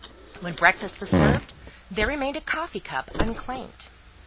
When breakfast was served, there remained a coffee cup unclaimed.